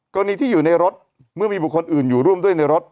กรณีที่อยู่ในรถเมื่อมีบุคคลอื่นอยู่ร่วมด้วยในรถ